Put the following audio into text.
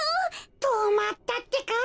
とまったってか。